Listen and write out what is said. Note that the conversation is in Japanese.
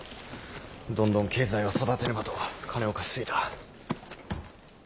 どんどん経済を育てねばと金を貸し過ぎた。